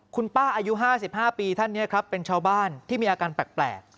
คุณป้าอายุ๕๕ปีท่านนี้ครับเป็นชาวบ้านที่มีอาการแปลก